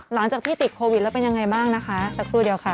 หลังจากที่ติดโควิดแล้วเป็นยังไงบ้างนะคะสักครู่เดียวค่ะ